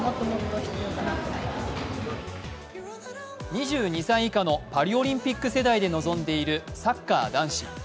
２２歳以下のパリオリンピック世代で臨んでいるサッカー男子。